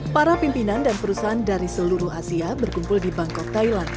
para pimpinan dan perusahaan dari seluruh asia berkumpul di bangkok thailand